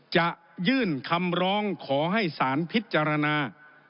จะยื่นคำร้องขอให้สารพิจารณา